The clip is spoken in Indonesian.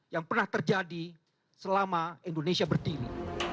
yang pernah terjadi selama indonesia berdiri